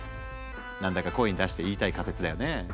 何だか声に出して言いたい仮説だよね。